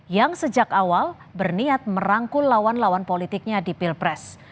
yang sejak awal berniat merangkul lawan lawan politiknya di pilpres